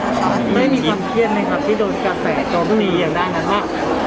ไม่มีความเครียดไหมครับที่โดนกระแสตรงนี้อย่างนั้นนะครับ